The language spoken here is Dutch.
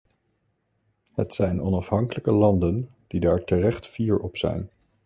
Het zijn onafhankelijke landen die daar terecht fier op zijn.